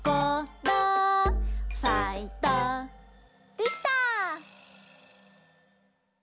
できた！